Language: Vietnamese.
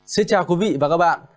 xin chào quý vị và các bạn